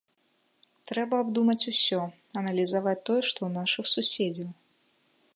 Трэба абдумаць усё, аналізаваць тое, што ў нашых суседзяў.